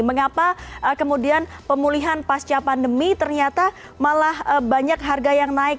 mengapa kemudian pemulihan pasca pandemi ternyata malah banyak harga yang naik